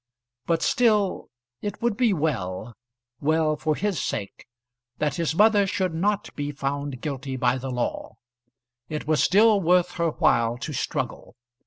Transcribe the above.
But still it would be well well for his sake, that his mother should not be found guilty by the law. It was still worth her while to struggle.